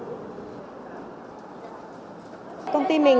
nhiều thì những ethnic